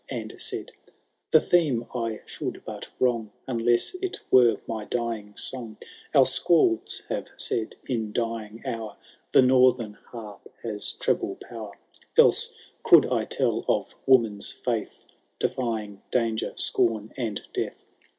And said, The theme I should but wrong, Unless it were my dying song, (Our Scalds hare said, in dying hour The Northern harp has treble power,) Else could I tell of womanVi fidth. Defying danger, scorn, and death.